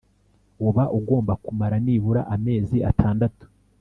uba ugomba kumara nibura amezi atandatu